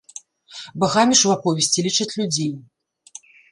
Багамі ж у аповесці лічаць людзей.